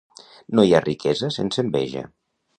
No hi ha riquesa sense enveja.